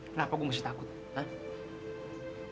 kenapa gue mesti takut